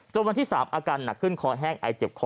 วันที่๓อาการหนักขึ้นคอแห้งไอเจ็บคอ